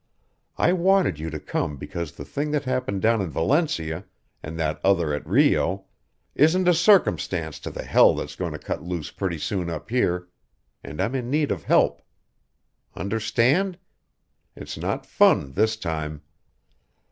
"I wanted you to come because the thing that happened down in Valencia, and that other at Rio, isn't a circumstance to the hell that's going to cut loose pretty soon up here and I'm in need of help. Understand? It's not fun this time.